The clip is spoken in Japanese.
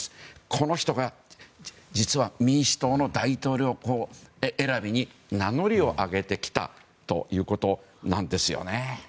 この人が実は民主党の大統領選びに名乗りを上げてきたということなんですよね。